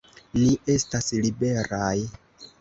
Ni estas liberaj!